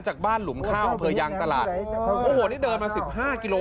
จากบ้านหลุมข้าวอำเภอยางตลาดโอ้โหนี่เดินมาสิบห้ากิโล